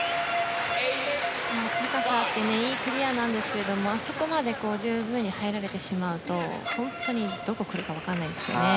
高さがあっていいクリアなんですがあそこまで十分に入られてしまうと本当にどこに来るか分からないですね。